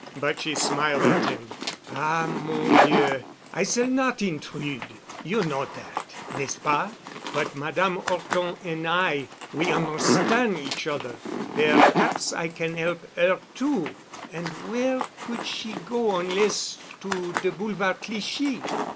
But she smiled at him. "Ah, mon vieux, I s'all not intrude. You know dat, n'est ce pas? But Madame 'Orton and I, we on'erstan' each oder. Per'aps I can 'elp 'er too. An' where could she go onless to de Boulevard Clichy?"